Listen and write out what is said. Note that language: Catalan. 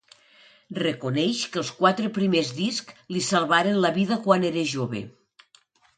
Reconeix que els quatre primers discs li salvaren la vida quan era jove.